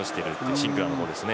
シンクラーの方ですね。